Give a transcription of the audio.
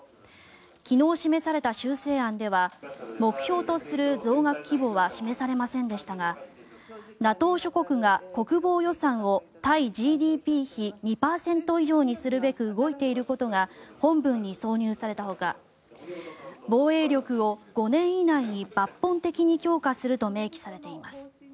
昨日示された修正案では目標とする増額規模は示されませんでしたがＮＡＴＯ諸国が国防予算を対ＧＤＰ比２％以上にするべく動いていることが本文に挿入されたほか防衛力を５年以内に抜本的に強化すると明記されています。